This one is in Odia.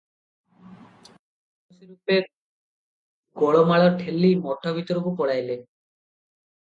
କୌଣସି ରୂପେ ଗୋଳମାଳ ଠେଲି ମଠ ଭିତରକୁ ପଳାଇଲେ ।